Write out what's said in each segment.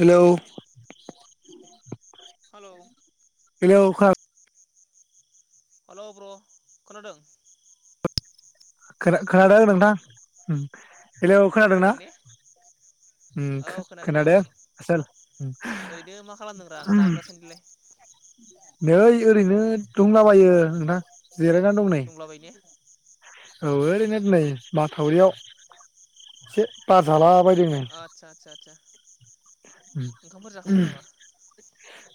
Hello hello hello खोना hello ब्र खोनादों? खोना हेलौ खोनादों नोंथां उम। [inaudible] हेलौ खोनादोंना खोनादों ने उम खो खोनादों आसोल। ओरैनो मा खालामदोंब्रा नोंथां दासान्दिलाय नै ओरैनो दंलाबायो नोंथां। जिरायनानै दं नै। दंलाबायो ने औ ओरैनो नै उम माथावरियाव। से बार जाला आथसा सा सा ओंखामफोर जाखांबाय नामा?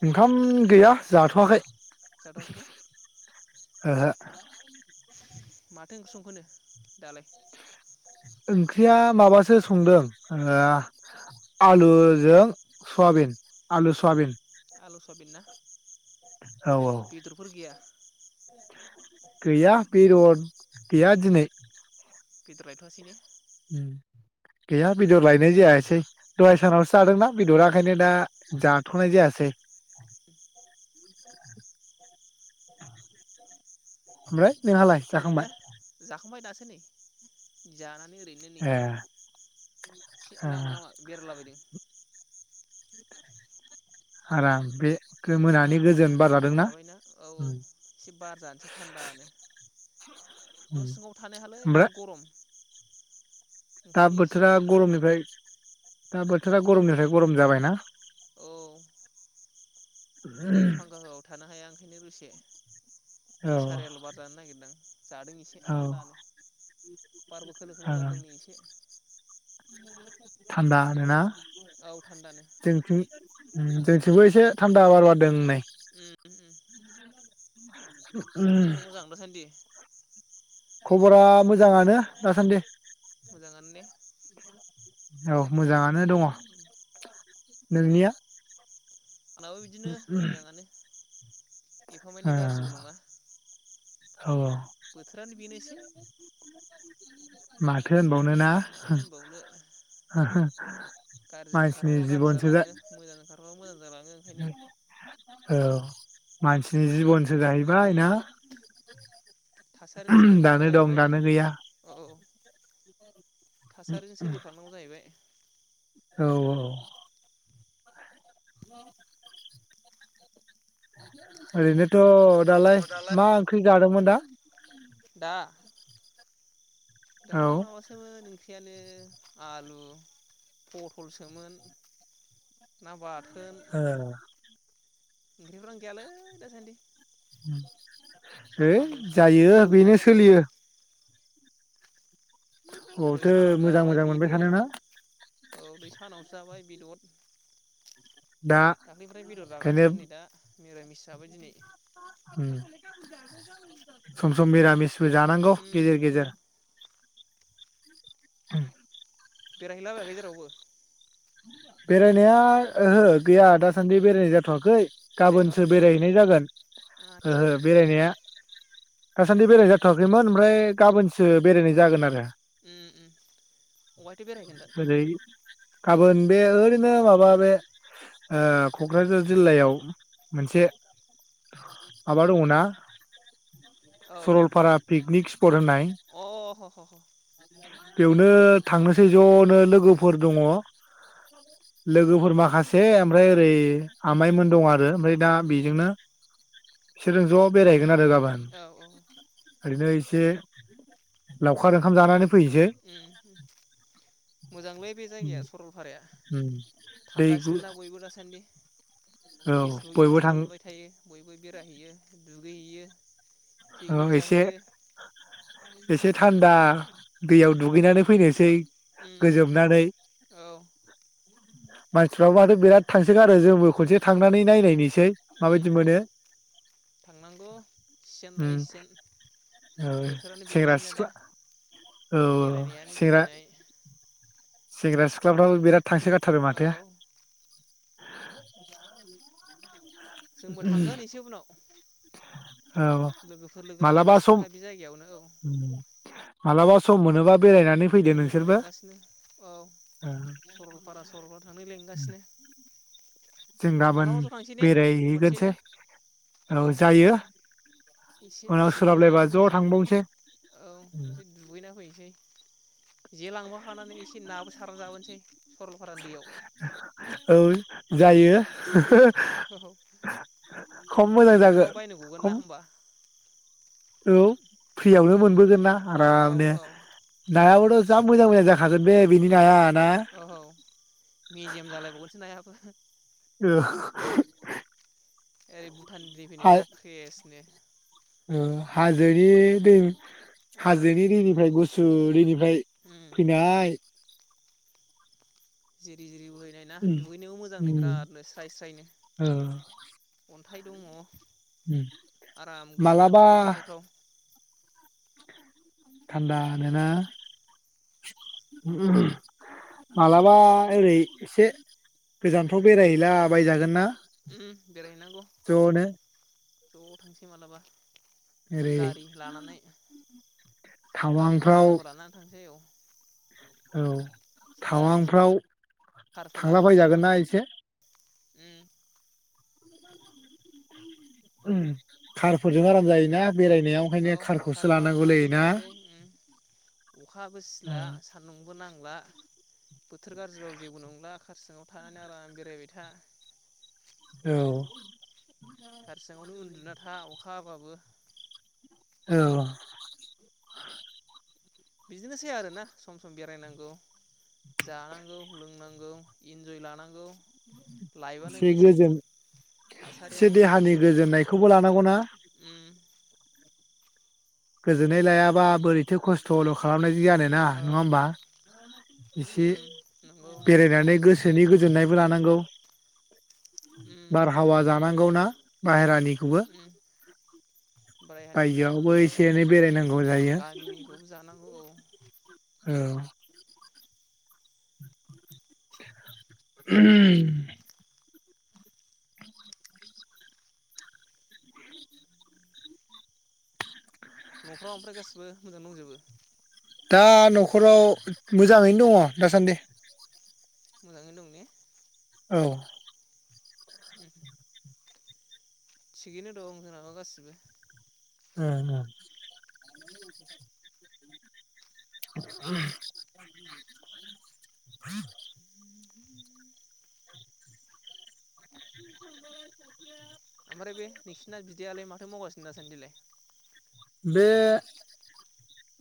ओंखाम गैया जाथ'वाखै। जाथ'वाखै ने? ओहो। माथो ओंख्रि संखोनो दालाय? ओंख्रिया माबासो संदों ओ आलुजों सवाबिन आलु सवाबिन। आलु सवाबिन ना? औ औ बेदरफोर गैया? गैया बेदर गैया दिनै। बेदर लायथ'वासैने? उम गैया बेदर लायनाय जायासै दहाय सानावसो उम जादोंना बेदरा ओंखायनो दा उम उम जाथ'नाय जायासै। [inaudible] ओमफ्राय नोंहालाय ओरैनो जाखांबाय जाखांबाय दासो सोनै जाना नै ओरैनो नै ए एसे ओ लामा लामा बेरायलाबायदों। आराम बे मोनानि आराम गोजोन औ बार जादोंना मोनाबायना औ औ उम एसे बार जानसै थान्दानो। उम न' सिङाव थानो हायालै ओमफ्राय बिराद गरम। दा ओंखायनो एसे बोथोरा गरमनिफ्राय दा बोथोरा गरमनिफ्राय गरम जाबायना। औ ओरै फांखा होआबा थानो हाया आं ओंखायनो दसे औ निसारेल बार जानो नागिरदों जादों एसे औ थान्दानो बारबो खोलो खोलो ओं बारदों नै एसे थान्दानो ना औ थान्दानो उम जोंथिबो एसे थान्दा बार बारदोंनै उम हम [unintelligible] खबर सबर मोजां दासान्दि? खबरा मोजाङानो दासान्दि मोजाङानो दे औ मोजाङा नो दङ नोंनिया आंनाबो बिदिनो मोजाङानो औ एफामाने गाज्रिबो नङा औ बोथोरानो बेनोसै माथो होनबाव माथो होनबावनो गाज्रिजों मानसिनि ओंखारबा गाज्रि जिबनसो जा जालाङो मोजां ओंखारबा मोजां जालाङो ओंखायनो औ मानसिनि जिबन सो जाहैबाय ना [inaudible] थासारिनि सोलोंलांनांगौ दानो दं जाहैबाय दानो गैया औ औ थासारिजों सोलिफानांगौ जाहैबाय औ औ [inaudible] ओरैनोथ दालाय मा ओंख्रि जादोंमोन दा? दा? दा औ ओ माबासोमोन ओख्रियानो आलु पथलसोमोन ना बाथ ओ ओंख्रिफोरानो गैयालै दासान्दि है सानफ्रामबो बेसेबां जायो ओंख्रि बेनो सोलियो मोनबाय दइ बबावथो सानाव मोजां जाबाय मोजां मोनबाय बेदर थानोना औ दय सानाव जाबाय बेदर दा दाखालिनिफ्राय बेदर ओंखायनो जागासिनो नै दा मिरामिस जाबाय दिनै उम सम सम मिरामिस बो जानांगौ उम गेजेर उम गेजेर [unintelligible] गाहैलाबायाखै जेरावबो बेरायनाया ओहो गैया दासान्दि बेरायनाय जाथवाखै गाबोनसो बेरायथ'वाखै ने बेरायहैनाय जागोन आदसा ओहो बेरायनाया दासान्दि बेराय जाथवाखैमोन ओमफ्राय गाबोनसो बेरायनाय जागोन आरो एम उम अहायटि बेरायगोनदा जेरै गाबोन बे ओरैनो माबा बे ओ कक्राझार जिल्लायाव मोनसे माबा दङ ना औ सरलपारा पिकनिक स्पट होननाय अ ह ह बेयावनो थांनोसै जनो उम लोगोफोर दङ लोगोफोर माखासे ओमफ्राय ओरै आमाइमोन दं आरो आरो ओमफ्राय दा उम बेजोंनो सोरजों ज बेरायहैगोन आरो गाब औ औ ओरैनो एसे लावखार ओंखाम जानानै फैनोसै उम मोजांलै बे जायगाया सरलपारा उम दैगु बयबो दासान्दि फेसबुक इउटुबाव नुबाय थायो बयबो बेरायहैयो गैयो औ एसे एसे थान्दा दैयाव दुगैनानै फैनोसै उम गोजोमनानै औ मानसिफ्राबो माथ बिराद थांसोगारो जोंबो खनसे थांनानै नायनायनि उम उम थांनांगौ सिजेन उम लायै सिजेन औ बोथोरानो सेंग्रा बेनोसैना दा सिख्ला औ औ बेरायनायानो सेंग्रा बेरायनाय सेंग्रा सिख्ला फ्राबो बिराद थांसोगाराथारो औ माथो [unintelligible] जोंबो थांगोन एसे उनाव औ लोगोफोर लोगो मालाबा सम लालायगासिनोखा बे जायगायावनो औ मालाबा सम मोनोबा बेरायनानै फैदो लोगोफ्रा नोंसोरबो लेंगासिनो औ सरलपारा सरलपारा थांनो लिंगासिनो जों गाबोन मालाबाथ थांसै दे खनसेनो बेरायहैगोनसै औ एसे उनाव पिकनिक सोलाबलायबा जाना ज' फैनोसै थांबावनोसै औ एसे दुगैना फैनोसै जे लांबाखानानै एसे नाबो सारना जाबोनोसै सरलपारा दैैयाव औ जायो औ खम मोजां जागो बेदरफ्राव बायनो गगोन ना खम होमबा औ फ्रियावनो उम मोनबोगोन ना औ आराम नो औ उम नायाबोथ जा मोजां मोजां जा थागोन बे बिनि नाया ना ओहौ मिजेम जालायबावगोनसो नायाबो ओ ओरै बु थानि दै हा फैदोना फ्रेसनो ओ हाजोनि दै औ हाजोनि दैनिफ्राय गुस सु दै बोह फ्राय उम फैनाय जिरि जिरि बोहै नाय ना उम दुगैनोबो मोजांनो उम बिरादनो स्राय स्रायनो ओ अन थाय दङ उम आराम गोजोमना मालाबा थाबाय थाथावथाव थान्दा नोना मालाबा ओरै इसे गोजानफ्राव बेरायहैला बायजागोन ना बेरायहैनांगौ ज'नो ज' थांसै मालाबा ओरै गारि लानानै गारि टावांफ्राव भाराफोर लानानै थांसै औ औ एसे गारि थावांफ्राव कारफोर लानानै थांसै आं थांलाबायजागोनना इसे उम खारफोरजों आराम जायोना बेरायनायाव औ ओंखायनो कारखौसो खारबार लानांगौलै लादो ना थांसै ओम अखाबो ओ सिला सान्दुंबो नां ला बोथोर गाज्रिबाबो जेबो नंला खार सिङाव थानानै आराम बेरायबाय था औ खारसिङावनो उन्दुना था अखा हाबाबो औ बिदिनोसै आरोना सम सम बेरायनांगौ जानांगौ लोंनांगौ इन्जय लानांगौ लाइभआनो एसे बिसै गोजोन एसे थासारियानो बिसै देहानि औ गोजोननायखौबो लानांगौना ओम गोजोन्नाय लायाबा बोरैथो खस्थल खालामनाय बि आरो ना औ नङा ओमबा इसे उम नंगौ नंगौ बेरायनानै गोसोनि गो दोननायबो लानांगौ उम बारहावा जानांगौना बाहेरानिखौबो बायहानिबो बायजोआवबो जानांगौ एसे एनै बेरायनांगौ जायो गामिनिखौबो जानांगौ औ औ उम नफ्राव ओमफ्राय गाैबो मोजां दंजोबो दा नखराव मोजाङैनो दङ दासान्दि मोजाङै दं ने औ [inaudible] थिगैनो दं‌ जोंनाबो गाससिबो ओ ओ औ [inaudible] ओमफ्राय बे नोंसिना बिदैयालाय माथो मावगासिनो दासान्दिलाय बे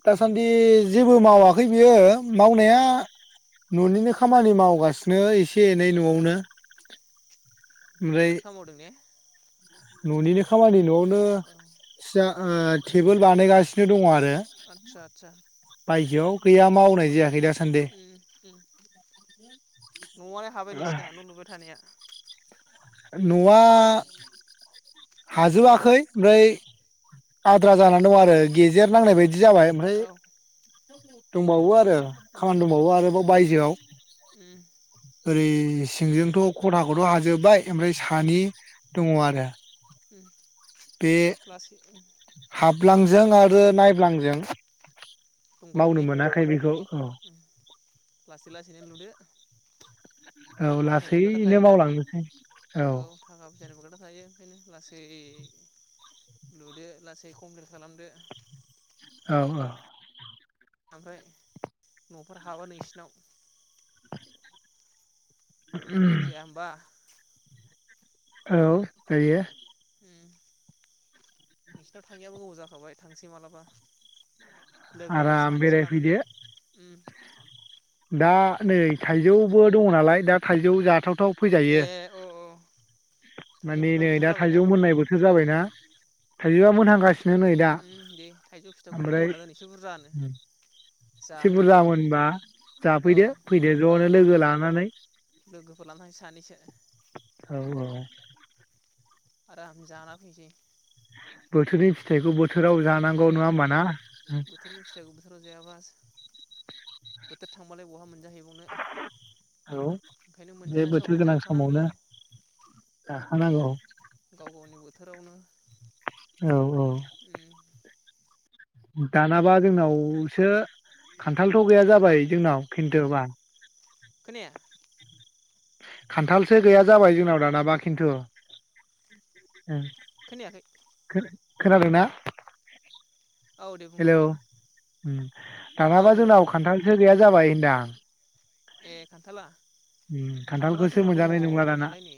दासान्दि जेबो मावाखै बियो मावनाया ननिनो खामानि मावगासिनो एसे एखे एनै उम नआवनो ओमफ्राय न'नि खामावनि मावदों ने न'निनो खामानि न' नो औ सिया ओ टेबोल बानायगासिनो दं आ रो आदसा आदसा बायजोआव गैया मावनाय जायाखै दा नआनो हाबाय नोंसिना नलुबाय थानाया? न‌'आ हाजोबाखै ओमफ्राय आद्रा जानानै दं आरो गेजेर नांनाय बाय दि जाबाय ओमफ्राय औ दंबावो आरो उम खामानि दंबावो आरोबाव बायजोआव उम ओरै सिंजोंथ खथाखौथ हाजोबबाय। ओमफ्राय सानि उम दङ आरो उम बे लासै उम हाब्लांजों आरो नायब्लांजों दंबावो मावनो ने मोनाखै बेखौ औ। उम लासै लासैनो लुदो। औ थाखा फैसानिबो खोथा लासैनो थायोना मावलांनोसै औ थाखा फैसानिबो खोथा थायो। ओंखायनो लासै लुदो लासै कमप्लेट खालामदो औ औ। ओमफ्राय नफोर हाबा नोंसिनाव? जाया होमबा? औ जायो। नोंसिनायाव थाङैयाबो गोबाव जाखाबाय थांनोसै मालाबा। लोगोफोर आराम सानैसो लानानै बेरायफैदो उम दा नै थाइजौबो दङ नालाय दा थाइजौ जाथावथाव ए फैजायो। अ अ थाइजौ माने खान्थाल नै बोथोर दा जाबायना थाइजौ मोननाय बोथोर जाबायना उम थाइजौआ मोनहां गासै उम दे थायजौ फिथाइखौ फोमोनना दोन इसे बुरजानो एसे जाहैनो बुरजा मोनबा औ जाफैदो फैदो औ ज'नो औ लोगो लानानै लोगोफोर लाना थांनोसै सानैसो। औ औ। आराम जाना फैनोसै। बोथोरनि फिथाइखौ बोथोराव बोथोरनि जानांगौ औ नङा होमबा ना बोथोरनि फिथाइखौ बोथोराव जायाबा बोथोर थांबालाय बहा मोन औ ओंखायनो बे मोनजानाय बोथोर समाव गोनां जाखानांगौ समावनो जा खानांगौ। गाव गावनि बोथोरावनो औ औ। उम दानाबा जोंनावसो खान्थालथ गैया जाबाय जोंनाव खिन्थोबा खोनाया खान्थालसो गैया जाबाय जोंनाव दानाबा खिन्थु। खोनायाखै खोनादोंना औ दे बुंफिन हेलौ दे उम औ दानाबा हेलौ जोंनाव खान्थालसो गैया जाबाय होनदां ए खान्थाला उम खान्थाला खान्थालखौसो जोंनाव दङ मोनजानाय नंला दाना दंनायालाय नै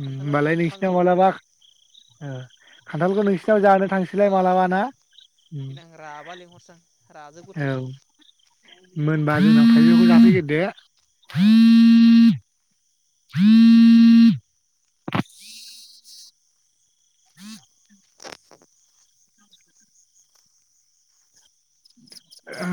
उम खान्थाला ओमबालाय जोंनाव नोंसिनाव फांनै दङ मालाबा ओ खान्थालखौ नों औ औ उम देनां राबा लिंहरसै आं रा आजों औ गुथुंथुं मोनबा जोंनाव थाइजौखौ जाफैगोरदो। औ [inaudible] [inaudible] [inaudible] ओ